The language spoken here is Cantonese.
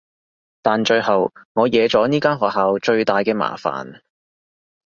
但最後我惹咗呢間學校最大嘅麻煩